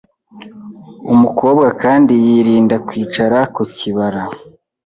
Umukobwa kandi yirinda kwicara ku kibara